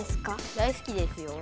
大すきですよ。